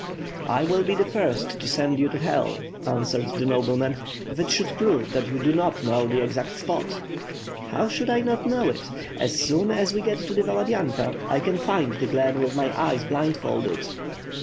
"I will be the first to send you to Hell," answered the nobleman, "if it should prove that you do not know the exact spot." "How should I not know it? As soon as we get to the Valadynka, I can find the glen with my eyes blindfolded.